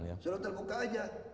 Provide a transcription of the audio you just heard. suruh terbuka aja